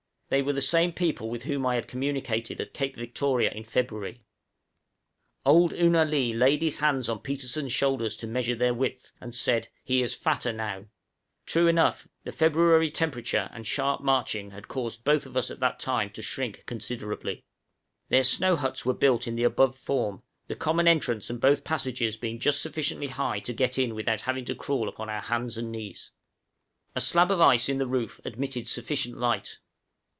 They were the same people with whom I had communicated at Cape Victoria in February. Old Oo na lee laid his hands on Petersen's shoulders to measure their width, and said, "He is fatter now:" true enough, the February temperature and sharp marching had caused us both at that time to shrink considerably. {SNOW HUTS OF NATIVES.} Their snow huts were built in the above form, the common entrance and both passages being just sufficiently high to get in without having to crawl upon our hands and knees. A slab of ice in the roof admitted sufficient light.